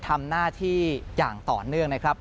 ทำหน้าที่อย่างต่อเนื่องนะครับ